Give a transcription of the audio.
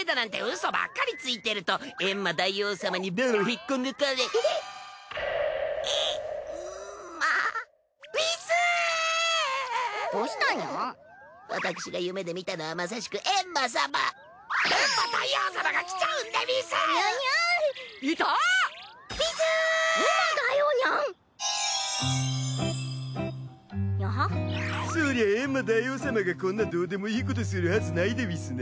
そりゃエンマ大王様がこんなどうでもいいことするはずないでうぃすね。